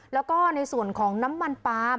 แล้วก็ในส่วนของน้ำมันปลาม